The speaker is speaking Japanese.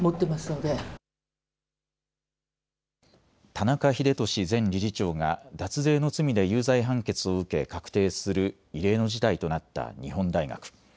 田中英壽前理事長が脱税の罪で有罪判決を受け確定する異例の事態となった日本大学。